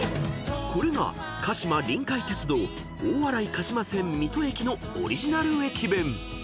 ［これが鹿島臨海鉄道大洗鹿島線水戸駅のオリジナル駅弁］